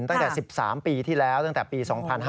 ตั้งแต่๑๓ปีที่แล้วตั้งแต่ปี๒๕๕๙